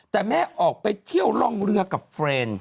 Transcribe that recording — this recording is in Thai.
แต่แม่ออกไปเที่ยวร่องเรือกับเฟรนด์